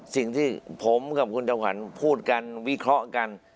สิ่งที่ผมกับคุณจำขวัญพูดกันวิเคราะห์กัน